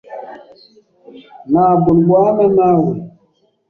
Ntabwo ndwana nawe